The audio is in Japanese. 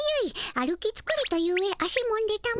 歩きつかれたゆえ足もんでたも。